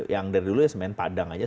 yang dari dulu ya semen padang aja